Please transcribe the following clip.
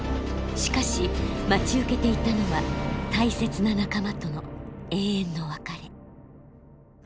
しかし待ち受けていたのは大切な仲間との永遠の別れ。